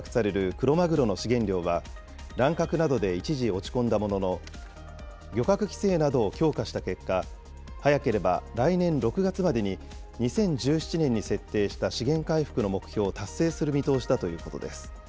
クロマグロの資源量は、乱獲などで一時落ち込んだものの、漁獲規制などを強化した結果、早ければ来年６月までに２０１７年に設定した資源回復の目標を達成する見通しだということです。